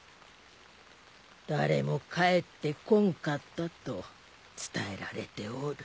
誰も帰ってこんかったと伝えられておる。